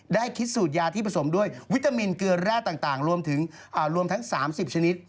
ได้คิดสูตรยาที่ผสมด้วยวิตามินเกลือแร่ต่างรวมถึงรวมทั้ง๓๐ชนิด